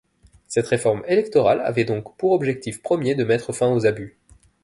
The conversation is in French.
Cette réforme électorale avait donc pour objectif premier de mettre fin aux abus.